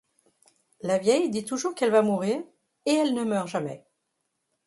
La vieille dit toujours qu'elle va mourir, et elle ne meurt jamais !